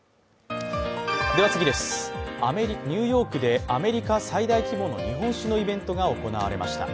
ニューヨークでアメリカ最大規模の日本酒のイベントが行われました。